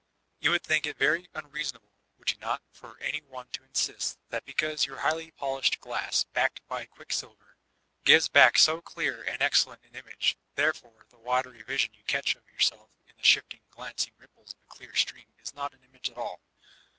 You would think it very unreasonable, would you not, for any one to insist that because your highly polished glass backed by quicksilver, gives back so clear and ex cellent an image, therefore the watery vision you catch of yourself in the shifting, glancing ripples of a clear stream is not an image at all